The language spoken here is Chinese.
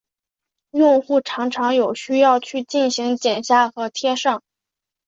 用户常常有需要去进行剪下和贴上。